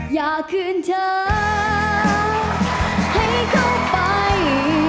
อยากคืนเธอให้เขาไป